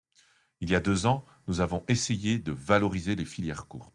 Il y a deux ans, nous avons essayé de valoriser les filières courtes.